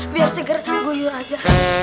biar segera gue yur aja